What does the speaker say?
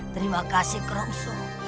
terima kasih kronso